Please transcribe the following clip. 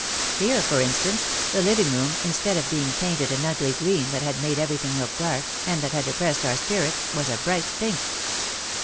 Here, for instance, the living room, instead of being painted an ugly green that had made everything look dark, and that had depressed our spirits, was a bright pink.